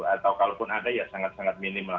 atau kalaupun ada ya sangat sangat minim lah